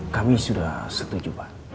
kami sudah setuju pak